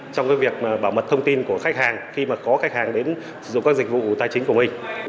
trong việc bảo mật thông tin của khách hàng khi có khách hàng đến sử dụng các dịch vụ tài chính của mình